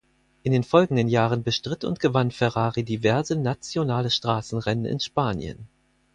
In den folgenden Jahren bestritt und gewann Ferrari diverse nationale Straßenrennen in Spanien.